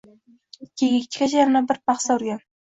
Kechgacha yana bir paxsa urgan.